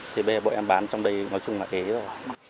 thì bây giờ bộ em bán trong đây nói chung là ế rồi